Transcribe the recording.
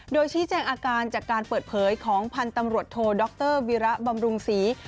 โดยชี้แจงอาการจากการเปิดเผยของพันธ์ตำรวจโทดรวิระบำรุงศรี